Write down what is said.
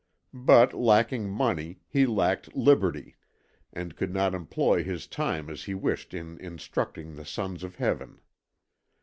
But lacking money, he lacked liberty, and could not employ his time as he wished in instructing the sons of Heaven.